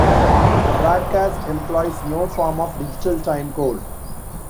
The broadcast employs no form of digital time code.